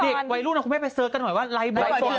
เด็กวัยรุ่นเราคว่าไม่ไปเซิร์จกันหน่อยว่าไลฟ์บอยเท่าไลก่อน